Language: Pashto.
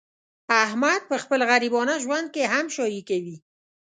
احمد په خپل غریبانه ژوند کې هم شاهي کوي.